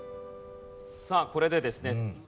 さあこれでですね